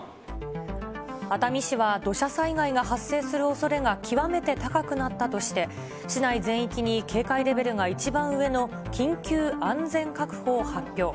熱海市は土砂災害が発生するおそれが極めて高くなったとして、市内全域に警戒レベルが一番上の緊急安全確保を発表。